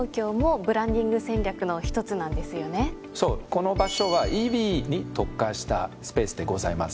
この場所はＥＶに特化したスペースでございます。